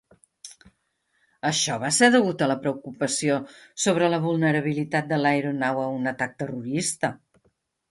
Això va ser degut a la preocupació sobre la vulnerabilitat de l'aeronau a un atac terrorista.